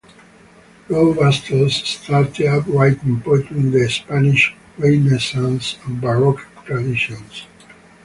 Roa Bastos started out writing poetry in the Spanish Renaissance and Baroque traditions.